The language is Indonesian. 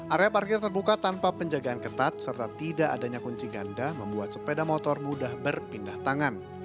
area parkir terbuka tanpa penjagaan ketat serta tidak adanya kunci ganda membuat sepeda motor mudah berpindah tangan